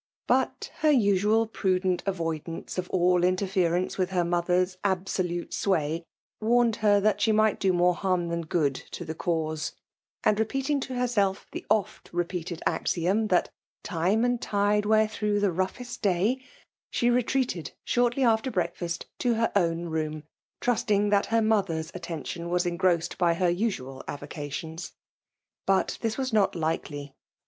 But hor usual prudent avoidance of all interference with her mother^s absolute sway, warned her that she might do more harm than good io the cause ; and repeating to herself the ofk^ repeated aidom, that '' Time and tide weat through the roughest day/' she retreated shortly after breakfast to her own room, trust* iag thai her mother's attention was engrossed by her usskal avocations. Bat this was not likely.